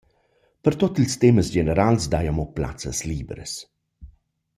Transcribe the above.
Pro tuot ils temas generals daja amo plazzas libras.